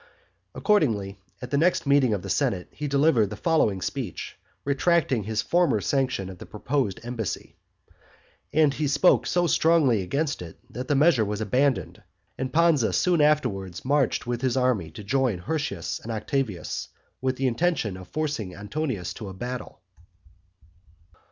Accordingly, at the next meeting of the senate, he delivered the following speech, retracting his former sanction of the proposed embassy. And he spoke so strongly against it, that the measure was abandoned and Pansa soon afterwards marched with his army to join Hirtius and Octavius, with the intention of forcing Antonius to a battle.